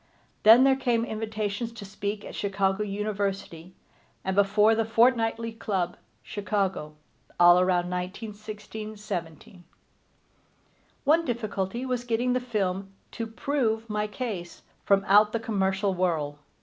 Then there came invitations to speak at Chicago University, and before the Fortnightly Club, Chicago, all around 1916 17. One difficulty was getting the film to prove my case from out the commercial whirl.